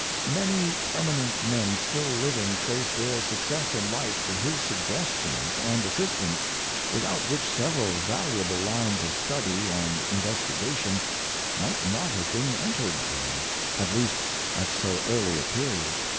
Many eminent men still living trace their success in life to his suggestions and assistance, without which several valuable lines of study and investigation might not have been entered on, at least at so early a period.